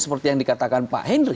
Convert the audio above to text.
seperti yang dikatakan pak hendri